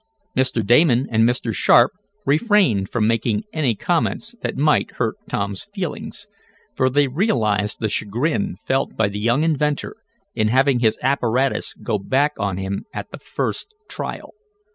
Mr. Damon and Mr. Sharp refrained from making any comments that might hurt Tom's feelings, for they realized the chagrin felt by the young inventor in having his apparatus go back on him at the first trial.